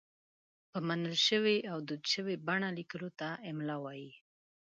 په منل شوې او دود شوې بڼه لیکلو ته املاء وايي.